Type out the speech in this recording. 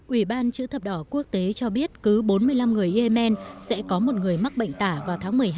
ủy ban chữ thập đỏ quốc tế cho biết cứ bốn mươi năm người yemen sẽ có một người mắc bệnh tả vào tháng một mươi hai